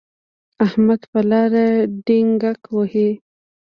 احمد په لاره ډینګګ وهي.